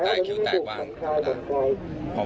ตำรวจมีบาทเจ็บหรือเปล่าครับ